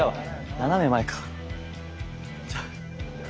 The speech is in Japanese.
斜め前か。